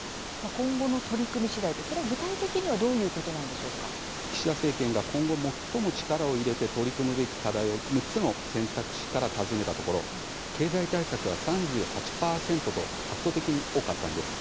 今後の取り組みしだいそれは、具体的には岸田政権が今後、最も力を入れて取り組むべき課題を６つの選択肢から尋ねたところ経済対策が３８％と圧倒的に多かったんです。